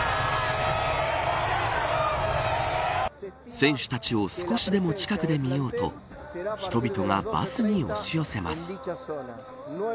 選手たちを少しでも近くで見ようと人々がバスに押し寄せます。